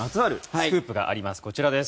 スクープがあります。